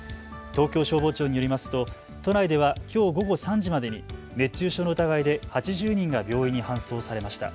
東京消防庁によりますと都内ではきょう午後３時までに熱中症の疑いで８０人が病院に搬送されました。